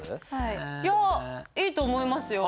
いやいいと思いますよ。